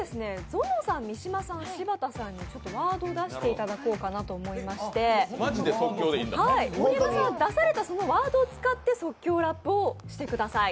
ぞのさん、三島さん、柴田さんにワードを出していただこうかなと思いまして盛山さんは出されたワードを使って即興ラップをしてください。